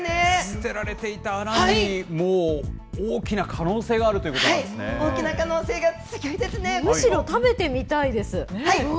捨てられていたアラにもう大きな可能性があるということなん大きな可能性が、すぎょいでむしろ食べてみたいです。